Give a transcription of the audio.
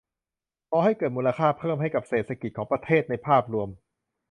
ก่อให้เกิดมูลค่าเพิ่มให้กับเศรษฐกิจของประเทศในภาพรวม